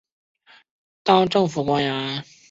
当政府官员盛世才率领的省军到达。